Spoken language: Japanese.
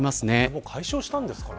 もう解消したんですかね。